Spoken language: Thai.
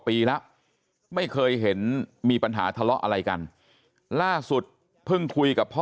ปีแล้วไม่เคยเห็นมีปัญหาทะเลาะอะไรกันล่าสุดเพิ่งคุยกับพ่อ